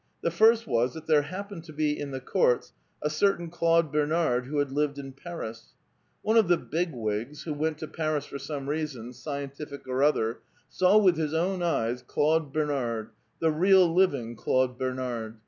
The first was that there hap pened to be in the courts a certain Claude Bernard who had lived in Paris. One of the Big Wigs, who went to Paris for some reason, scientific or other, saw with his own eyes Claude Bernard, — the real living Claude Bernard.